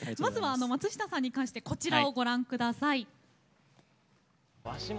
まずは松下さんに関してこちらをご覧ください。